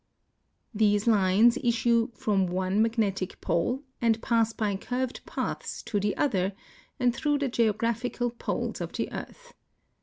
These lines issue from one n)agnetic pole and pass by curved paths to the other and through the geographical poles of the earth.